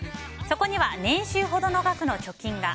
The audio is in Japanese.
そこには年収ほどの額の貯金が。